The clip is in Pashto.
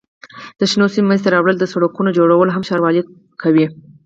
د شنو سیمو منځته راوړل او د سړکونو جوړول هم ښاروالۍ کوي.